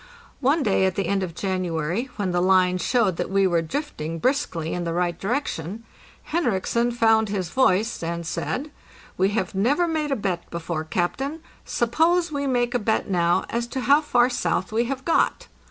One day at the end of January, when the line showed that we were drifting briskly in the right direction, Henriksen found his voice and said: 'We have never made a bet before, captain; suppose we make a bet now as to how far south we have got."